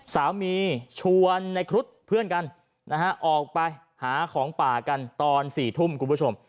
สามีชวนในครุฑเพื่อนกันออกไปหาของป่ากันตอน๔ทุ่ม